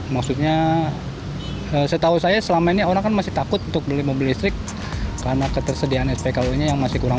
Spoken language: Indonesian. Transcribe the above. maksudnya setahu saya selama ini orang kan masih takut untuk beli mobil listrik karena ketersediaan spklu nya yang masih kurang